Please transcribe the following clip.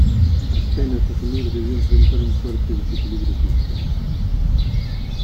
Apenas asumir debió enfrentar un fuerte desequilibrio fiscal.